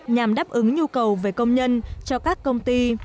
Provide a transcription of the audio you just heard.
nhằm đáp ứng nhu cầu về công nhân cho các công ty